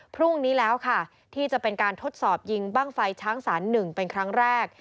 พรุ่งนี้แล้วค่ะที่จะเป็นการทดสอบยิงบ้างไฟช้างสาร๑เป็นครั้งแรก